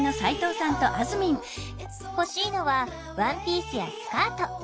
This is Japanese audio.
欲しいのはワンピースやスカート。